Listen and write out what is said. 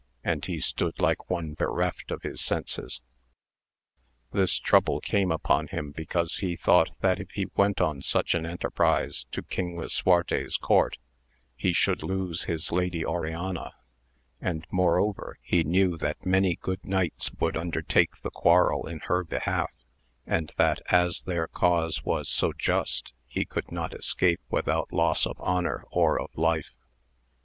and he stood like one bereft of his senses. This trouble came upon him because he thought that if he went on such an enterprize to King Lisuarte's court, he should lose his Lady Oriana, and moreover he knew that many good knights would undertake the quarrel in her be half, and that as their cause was so just he could not escape without loss of honour or of life.